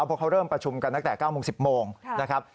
เพราะเขาเริ่มประชุมกันหัวแต่เมื่อ๙บ๑๐นนะครับ